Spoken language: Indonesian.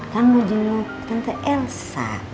kan mau jenguk tante elsa